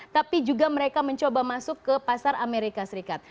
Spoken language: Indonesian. tapi juga mereka mencoba masuk ke pasar amerika serikat